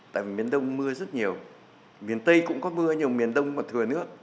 tại vì miền đông mưa rất nhiều miền tây cũng có mưa nhiều miền đông còn thừa nước